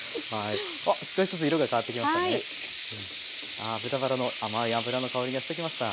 ああ豚バラの甘い脂の香りがしてきました。